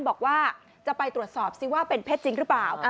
บอกว่าจะไปตรวจสอบซิว่าเป็นเพชรจริงหรือเปล่า